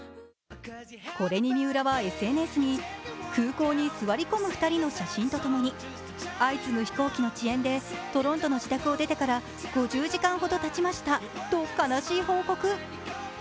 これに三浦はＳＮＳに、空港に座り込む２人の写真とともに相次ぐ飛行機の遅延でトロントの自宅を出てから５０時間ほどたちましたと悲しい報告。